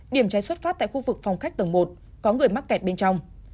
điểm cháy xuất phát tại khu vực phòng khách tầng một có người mắc kẹt bên trong